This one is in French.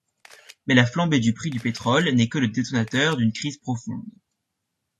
Mais la flambée du prix du pétrole n'est que le détonateur d'une crise profonde.